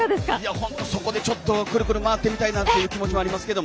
本当、そこでくるくる回ってみたいなって気持ちはありますけれども。